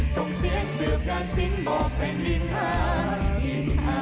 ส่วนเสียงสืบการสิ้นบอกเป็นหินทรารวินไทย